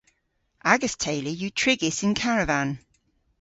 Agas teylu yw trigys yn karavan.